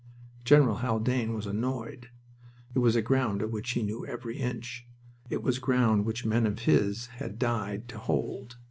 General Haldane was annoyed. It was ground of which he knew every inch. It was ground which men of his had died to hold.